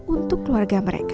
untuk keluarga mereka